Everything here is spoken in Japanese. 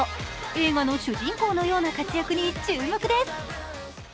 映画の主人公のような活躍に注目です。